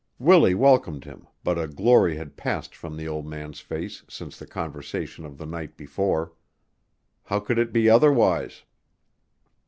Willie welcomed him but a glory had passed from the old man's face since the conversation of the night before. How could it be otherwise?